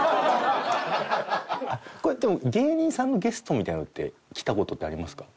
これでも芸人さんのゲストみたいのって来た事ってありますか？